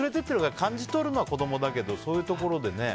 感じ取るのは子供だけど、そういうところでね。